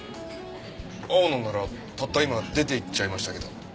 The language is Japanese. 青野ならたった今出て行っちゃいましたけど。